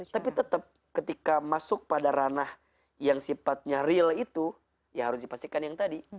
tapi tetap ketika masuk pada ranah yang sifatnya real itu ya harus dipastikan yang tadi